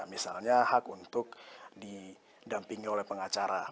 misalnya hak untuk didampingi oleh pengacara